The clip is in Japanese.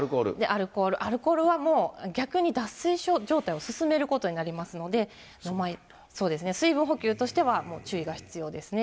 アルコール、アルコールは逆に脱水状態を進めることになりますので、水分補給としては注意が必要ですね。